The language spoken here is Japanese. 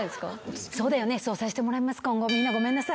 そうだよねそうさせてもらいます今後。